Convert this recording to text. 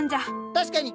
確かに！